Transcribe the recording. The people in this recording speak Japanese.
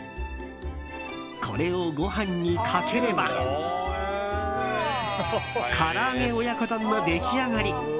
これをご飯にかければからあげ親子丼の出来上がり。